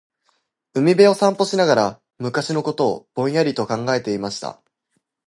•海辺を散歩しながら、昔のことをぼんやりと考えていました。